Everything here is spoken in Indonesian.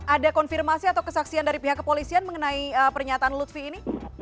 ada konfirmasi atau kesaksian dari pihak kepolisian mengenai pernyataan lutfi ini